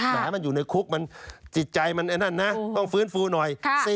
ถ้ามันอยู่ในคุกจิตใจมันต้องฟื้นฟูหน่อย